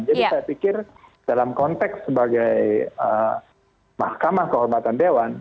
saya pikir dalam konteks sebagai mahkamah kehormatan dewan